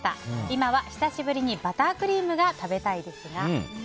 今は久しぶりにバタークリームが食べたいですが。